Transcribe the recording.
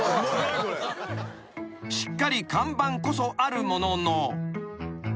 ［しっかり看板こそあるものの］